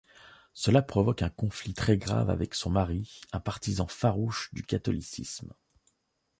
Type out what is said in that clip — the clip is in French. Cela provoque un conflit très grave avec son mari, un partisan farouche du catholicisme.